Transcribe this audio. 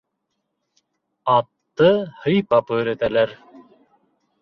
Атты һыйпап өйрәтәләр.